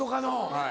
はい。